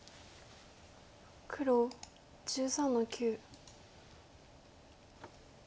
黒１３の九。